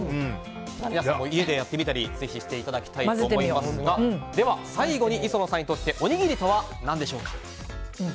皆さんも家でやってみたりぜひしていただきたいと思いますがでは、最後に磯野さんにとっておにぎりとは何でしょうか。